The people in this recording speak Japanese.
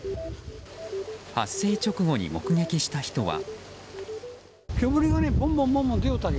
発生直後に目撃した人は。